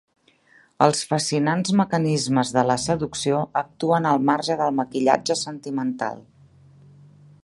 Els fascinants mecanismes de la seducció actuen al marge del maquillatge sentimental.